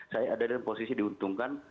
saya ada dalam posisi diuntungkan